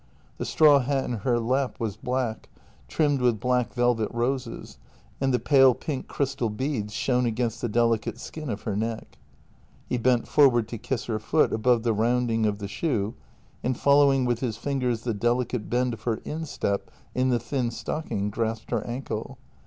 The straw hat in her lap was black, trimmed with black velvet roses, and the pale pink crystal beads shone against the delicate skin of her neck. He bent forward to kiss her foot above the rounding of the shoe, and, following with his fingers the delicate bend of her instep in the thin stocking, grasped her ankle.